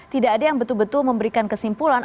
tidak ada yang betul betul memberikan kesimpulan